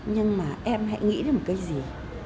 nhưng mà em hãy nghĩ đến một cái gì